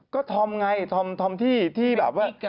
ก็ธรรมไงธรรมที่ที่แบบว่า